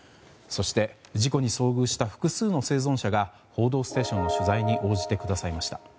そして、事故に遭遇した複数の生存者が「報道ステーション」の取材に応じてくださいました。